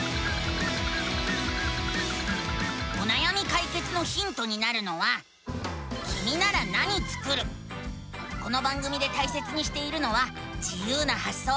おなやみかいけつのヒントになるのはこの番組でたいせつにしているのは自ゆうなはっそう。